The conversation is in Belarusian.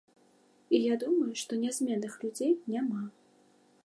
І я думаю, што нязменных людзей няма.